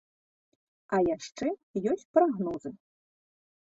А яшчэ ёсць прагнозы.